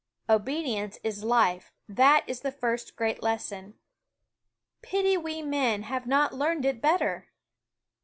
Obedience is life; that is the first great lesson. Pity we men have not learned it better!